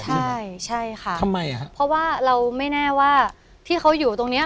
ใช่ใช่ค่ะทำไมอ่ะเพราะว่าเราไม่แน่ว่าที่เขาอยู่ตรงเนี้ย